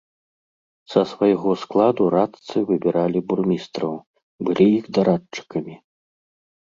Са свайго складу радцы выбіралі бурмістраў, былі іх дарадчыкамі.